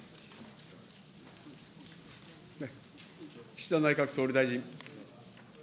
岸田内閣総理大臣。